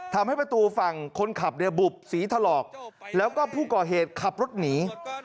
ทำให้ประตูฝั่งคนขับเนี่ยบุบสีถลอกแล้วก็ผู้ก่อเหตุขับรถหนี